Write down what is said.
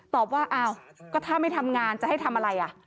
ตอบว่าอ้าวก็ถ้าไม่ทำงานจะให้ทำอะไรอ่ะ